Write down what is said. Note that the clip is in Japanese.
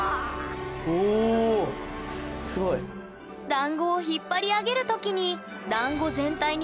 だんごを引っ張り上げる時にだんご全体に